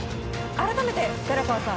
改めて寺川さん